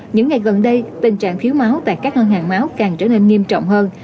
những ngày gần đây tình trạng thiếu máu tại các ngân hàng máu càng trở nên nghiêm trọng hơn